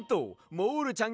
モールちゃん。